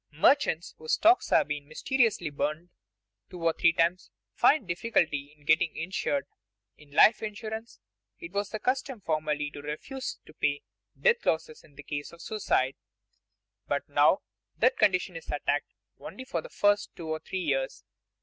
Merchants whose stocks have been mysteriously burned two or three times find difficulty in getting insured. In life insurance it was the custom formerly to refuse to pay death losses in case of suicide; but now that condition is attached only for the first two or three years.